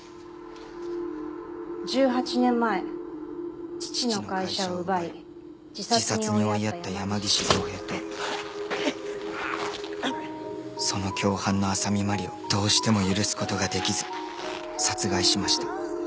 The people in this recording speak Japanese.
「十八年前父の会社を奪い」「自殺に追いやった山岸凌平とその共犯の浅見麻里をどうしても許すことができず殺害しました」